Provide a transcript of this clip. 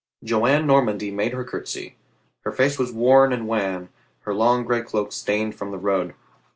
Joan Normandy made her curtsy. Her face was worn and wan, her long gray cloak stained from the road.